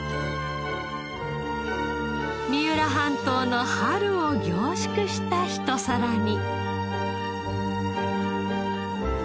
三浦半島の春を凝縮したひと皿に。